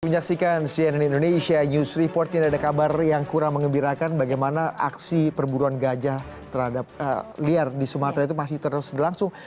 menyaksikan cnn indonesia news report ini ada kabar yang kurang mengembirakan bagaimana aksi perburuan gajah terhadap liar di sumatera itu masih terus berlangsung